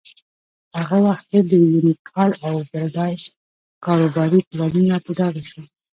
په هغه وخت کې د یونیکال او بریډاس کاروباري پلانونه په ډاګه شول.